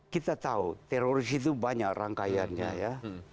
kita tahu teroris itu banyak rangkaiannya ya